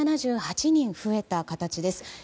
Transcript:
１７８人増えた形です。